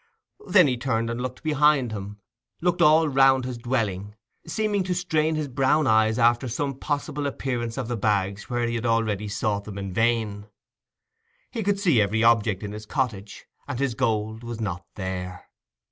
Then he turned and looked behind him—looked all round his dwelling, seeming to strain his brown eyes after some possible appearance of the bags where he had already sought them in vain. He could see every object in his cottage—and his gold was not there.